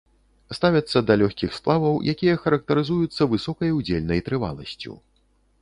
Ставяцца да лёгкіх сплаваў, якія характарызуюцца высокай удзельнай трываласцю.